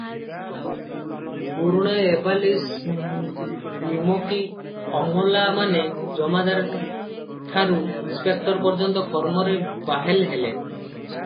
ପୁରୁଣା ଏବାଲିଶ ନିମକୀ ଅମଲାମାନେ ଜମାଦାରଠାରୁ ଇନସପେକ୍ଟର ପର୍ଯ୍ୟନ୍ତ କର୍ମରେ ବାହେଲ ହେଲେ ।